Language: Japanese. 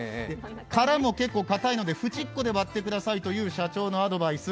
殻も結構かたいので、ふちっこで割ってくださいという社長のアドバイス。